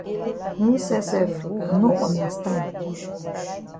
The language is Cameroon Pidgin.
Me sef sef I no understand.